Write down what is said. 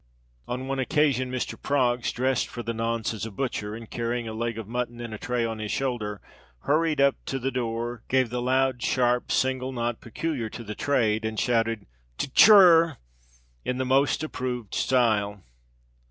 On one occasion, Mr. Proggs, dressed for the nonce as a butcher, and carrying a leg of mutton in a tray on his shoulder, hurried up to the door, gave the loud, sharp, single knock peculiar to the trade, and shouted "T cher!" in the most approved style.